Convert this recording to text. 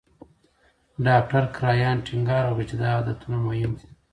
ډاکټر کرایان ټینګار وکړ چې دا عادتونه مهم دي.